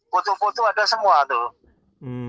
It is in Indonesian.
kutu kutu ada semua tuh